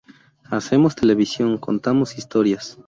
Hacemos televisión, contamos historias.